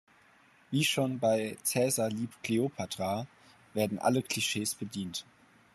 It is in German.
Wie schon bei "Cäsar liebt Cleopatra" werden alle Klischees bedient.